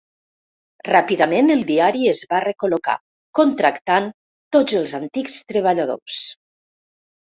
Ràpidament el diari es va recol·locar, contractant tots els antics treballadors.